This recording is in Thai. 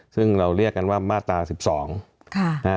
ซึ่งเราเรียกกันว่ามาตรา๑๒